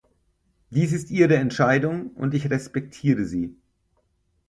Dies ist Ihre Entscheidung, und ich respektiere sie.